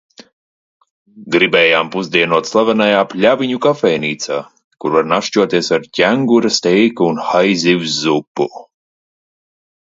Gribējām pusdienot slavenajā Pļaviņu kafejnīcā, kur var našķoties ar ķengura steiku un haizivs zupu.